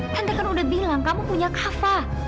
tante kan udah bilang kamu punya kava